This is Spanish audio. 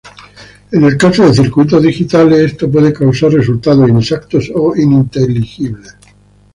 En el caso de circuitos digitales, esto puede causar resultados inexactos o ininteligibles.